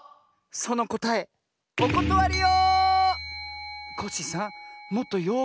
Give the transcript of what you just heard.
そのこたえおことわりよ！